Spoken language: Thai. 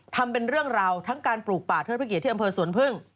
ทำเป็นเรื่องราวทั้งการปลูกป่าเทิดพระเกียรติที่อำเภอสวนพึ่ง